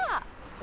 あ。